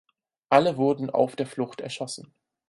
Alle wurden „auf der Flucht“ erschossen.